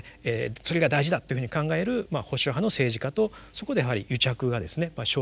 それが大事だっていうふうに考える保守派の政治家とそこでやはり癒着がですね生じやすい。